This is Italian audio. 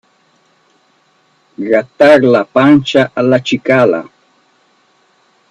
Grattar la pancia alla cicala.